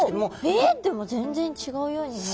えでも全然違うように見える。